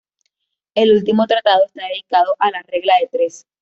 El último tratado está dedicado a la regla de tres.